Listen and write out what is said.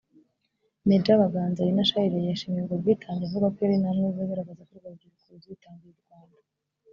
Major Baganziyana Charles yashimiye ubwo bwitange avuka ko ari intambwe nziza igaragaza ko urwo rubyiruko ruzitangira u Rwanda